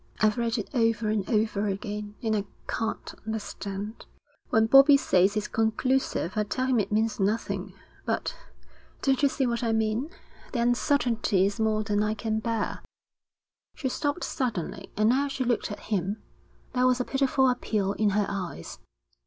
'I've read it over and over again, and I can't understand. When Bobbie says it's conclusive, I tell him it means nothing but don't you see what I mean? The uncertainty is more than I can bear.' She stopped suddenly, and now she looked at him. There was a pitiful appeal in her eyes.